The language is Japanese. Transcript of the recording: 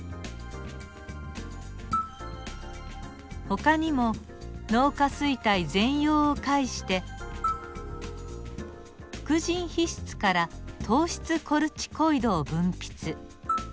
ほかにも脳下垂体前葉を介して副腎皮質から糖質コルチコイドを分泌。